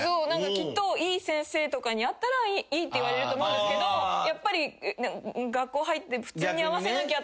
きっといい先生とかに会ったらいいって言われると思うんですけどやっぱり学校入って普通に合わせなきゃって思うと。